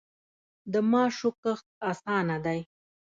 د ماشو کښت اسانه دی.